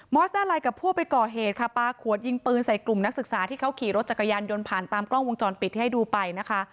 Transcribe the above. อสด้าไลน์กับพวกไปก่อเหตุค่ะปลาขวดยิงปืนใส่กลุ่มนักศึกษาที่เขาขี่รถจักรยานยนต์ผ่านตามกล้องวงจรปิดที่ให้ดูไปนะคะ